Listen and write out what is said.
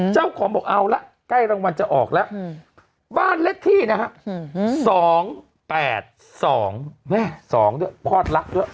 เจ้าของบอกเอาละใกล้รางวัลจะออกแล้วบ้านเล็กที่นะฮะสองแปดสองแม่สองด้วยพอดรักด้วย